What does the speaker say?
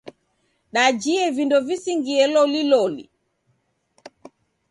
Dajie vindo visingie loliloli.